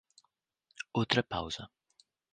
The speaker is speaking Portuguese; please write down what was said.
Outra pausa.